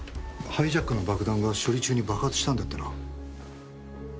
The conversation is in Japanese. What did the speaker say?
ハイジャックの爆弾が処理中に爆発したんだってな。